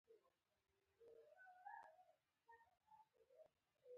په مخ پر ودې هیوادونو کې نا دولتي بنسټونو رول لوبولای.